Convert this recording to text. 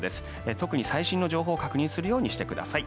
特に最新の情報を確認するようにしてください。